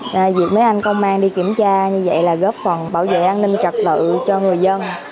nên việc mấy anh công an đi kiểm tra như vậy là góp phần bảo vệ an ninh trật tự cho người dân